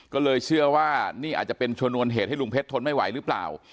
ก็เลยเชื่อว่านี่อาจจะเป็นชนวนเหตุให้ลุงเพชรทนไม่ไหวหรือเปล่า